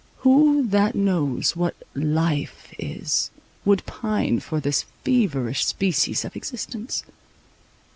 Who that knows what "life" is, would pine for this feverish species of existence?